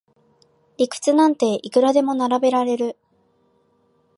理屈なんていくらでも並べられる